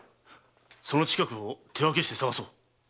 その近くを手分けして捜そう。